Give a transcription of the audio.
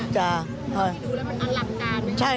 เพราะว่าดูแล้วมันอลังการไหม